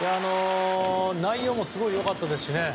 内容もすごく良かったですしね。